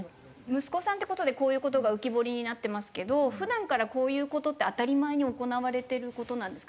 息子さんって事でこういう事が浮き彫りになってますけど普段からこういう事って当たり前に行われてる事なんですか？